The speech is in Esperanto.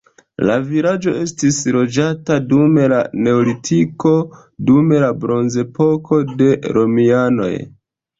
La vilaĝo estis loĝata dum la neolitiko, dum la bronzepoko, de romianoj.